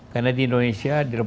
karena di indonesia